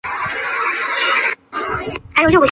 他们有些是贝塔以色列。